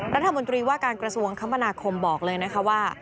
รัฐมนตรีว่าการกระทรวงคมนาคมบอกเลยนะคะว่า